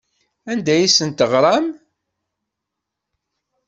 Anda ay asen-teɣram?